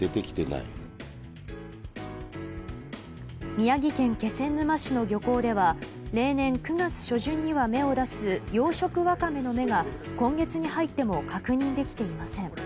宮城県気仙沼市の漁港では例年９月初旬には芽を出す養殖ワカメの芽が今月に入っても確認できていません。